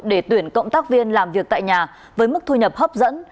để tuyển cộng tác viên làm việc tại nhà với mức thu nhập hấp dẫn